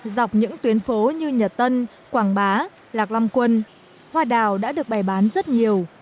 dọc những tuyến phố như nhật tân quảng bá lạc long quân hoa đào đã được bày bán rất nhiều